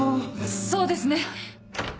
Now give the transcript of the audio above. そうですね。